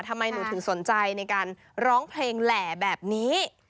ทำไมหนูถึงสนใจในการร้องเพลงแหล่แบบนี้